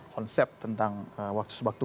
konsep tentang waktu